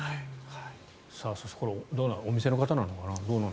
そしてこれはお店の方なのかな。